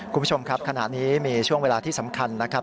คุณผู้ชมครับขณะนี้มีช่วงเวลาที่สำคัญนะครับ